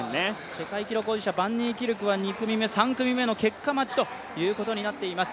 世界記録保持者、バンニーキルクは２組目、３組目の結果待ちということになります。